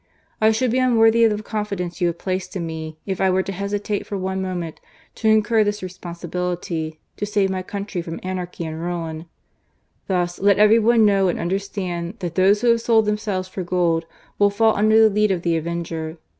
I should be unworthy of the confidence you have placed in me if I were to hesitate for one moment to incur this responsibility to save my country from anarchy and ruin, " Thus, let every one know and understand that those who have sold themselves for gold will fall under the lead of the avenger.